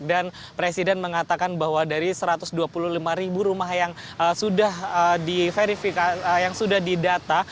dan presiden mengatakan bahwa dari satu ratus dua puluh lima ribu rumah yang sudah didata